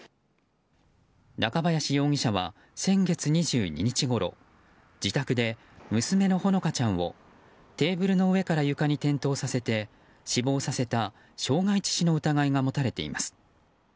中林容疑者は先月２２日ごろ自宅で娘のほのかちゃんをテーブルの上から床に転倒させて死亡させた傷害致死の疑いが持たれています。